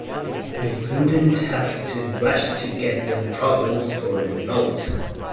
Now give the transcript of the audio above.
we wouldn’t have to rush to get them problems for their notes.